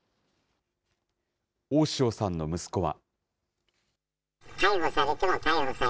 大塩さんの息子は。